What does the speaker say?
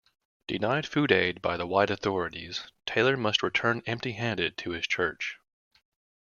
Denied food aid by the white authorities, Taylor must return empty-handed to his church.